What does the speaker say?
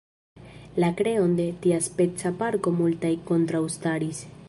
La kreon de tiaspeca parko multaj kontraŭstaris.